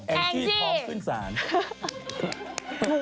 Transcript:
แองซี่ฟ้องขึ้นสารแองซี่